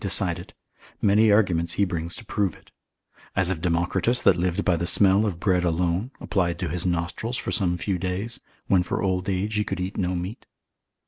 decide it; many arguments he brings to prove it; as of Democritus, that lived by the smell of bread alone, applied to his nostrils, for some few days, when for old age he could eat no meat.